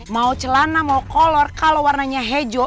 mau celana mau kolor kalau warnanya hijau